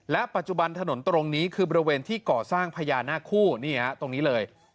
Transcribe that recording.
ปัจจุบันถนนตรงนี้คือบริเวณที่ก่อสร้างพญานาคู่นี่ฮะตรงนี้เลย